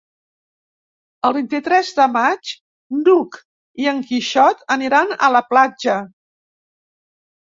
El vint-i-tres de maig n'Hug i en Quixot aniran a la platja.